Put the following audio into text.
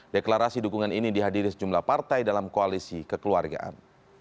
deklarasi dukungan ini dihadiri sejumlah partai dalam koalisi kekeluargaan